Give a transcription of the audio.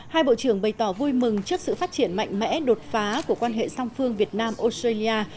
hai bộ trưởng bày tỏ vui mừng trước sự phát triển mạnh mẽ đột phá của quan hệ song phương việt nam australia